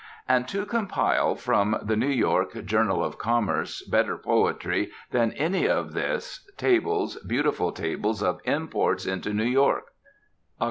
And to compile from the New York Journal of Commerce better poetry than any of this, tables, beautiful tables of "imports into New York": "Oct.